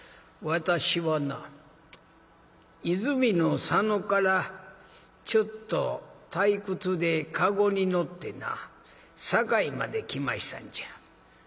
私はな和泉の佐野からちょっと退屈で駕籠に乗ってな堺まで来ましたんじゃ。